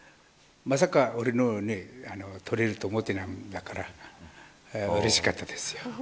まさか俺の取れると思ってなんだからうれしかったですよ。